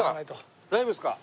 大丈夫ですか？